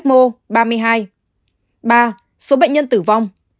ba số bệnh nhân tử vong